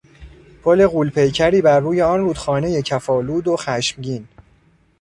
پل غول پیکری بر روی آن رودخانهی کف آلود و خشمگین